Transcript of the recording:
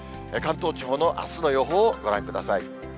関東地方のあすの予報をご覧ください。